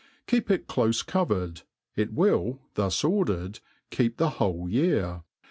Keep it clofe covered ; it will, thus ordered, keep the whole year.